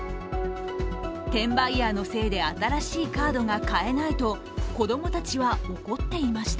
転売ヤーのせいで新しいカードが買えないと子供たちは怒っていました。